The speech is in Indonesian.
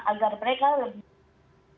agar mereka lebih